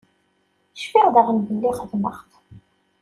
Cfiɣ daɣen belli xedmeɣ-t.